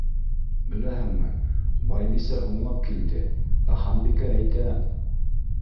Беләһеңме, Байбисә һуңлап килде, ә Ханбикә әйтә...